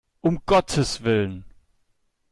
Um Gottes Willen!